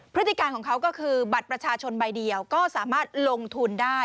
พฤติการของเขาก็คือบัตรประชาชนใบเดียวก็สามารถลงทุนได้